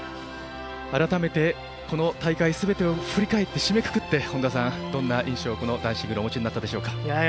改めて、この大会すべてを振り返って、締めくくってどんな印象を男子シングルにお持ちになったでしょうか？